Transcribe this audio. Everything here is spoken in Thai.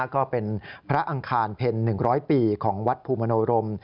ก็เป็นพระอังคารเพ็ญ๑๐๐ปีของวัดภูมิโนรม